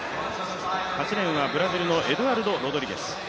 ８レーンはブラジルのエドゥアルド・ロドリゲス。